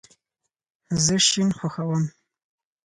زه شین خوښوم